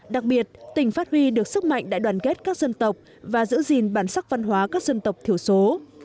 đặc biệt tỉnh phát huy được sức mạnh đại đoàn kết các dân tộc và giữ gìn bản sắc văn hóa các dân tộc thiểu số